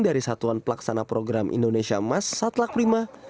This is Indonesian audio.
dari satuan pelaksana program indonesia emas satlak prima